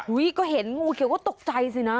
ก็เห็นงูเขียวก็ตกใจสินะ